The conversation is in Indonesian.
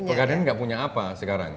pegadaian gak punya apa sekarang